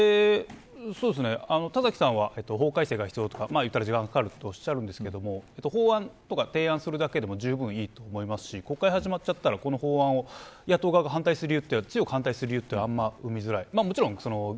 田崎さんは法改正が必要だと時間がかかると思うんですけども法案とか提案するだけでもじゅうぶんいいと思いますし国会が始まっちゃったらこの法案を野党側が強く反対する理由は見えづらい。